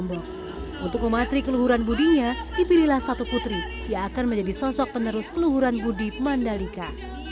untuk mematri keluhuran budinya dipilihlah satu putri yang akan menjadi sosok penerus keluhuran budi mandalika